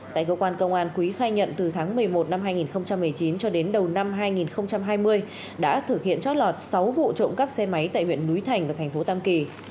tại cơ quan công an quý khai nhận từ tháng một mươi một năm hai nghìn một mươi chín cho đến đầu năm hai nghìn hai mươi đã thực hiện trót lọt sáu vụ trộm cắp xe máy tại huyện núi thành và thành phố tam kỳ